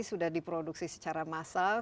sudah diproduksi secara massal